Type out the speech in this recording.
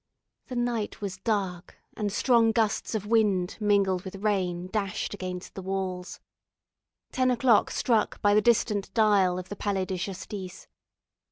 The night was dark, and strong gusts of wind, mingled with rain, dashed against the walls. Ten o'clock struck by the distant dial of the Palais de Justice.